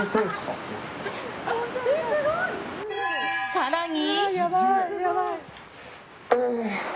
更に。